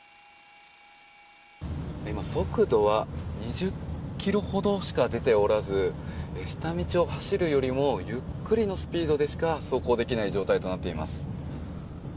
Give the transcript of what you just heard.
今、速度は２０キロほどしか出ておらず、下道を走るよりもゆっくりのスピードでしか走行できない状態となっています。